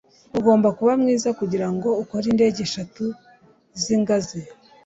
Ugomba kuba mwiza kugirango ukore indege esheshatu zingazi